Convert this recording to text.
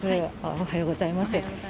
おはようございます。